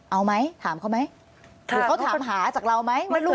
เอาไหมถามเขาไหม